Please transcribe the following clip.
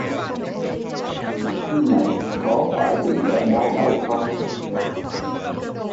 Anh này có phải bị bệnh đau đầu không